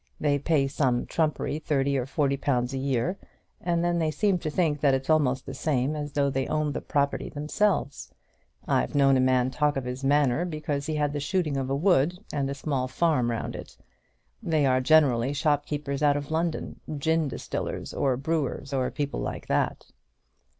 They pay some trumpery thirty or forty pounds a year, and then they seem to think that it's almost the same as though they owned the property themselves. I've known a man talk of his manor because he had the shooting of a wood and a small farm round it. They are generally shopkeepers out of London, gin distillers, or brewers, or people like that."